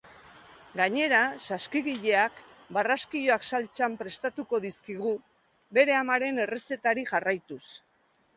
Gainera, saskigileak barraskiloak saltsan prestatuko dizkigu bere amaren errezetari jarraituz.